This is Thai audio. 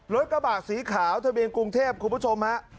รถกระบะสีขาวทะเบียนกรุงเทพคุณผู้ชมฮะ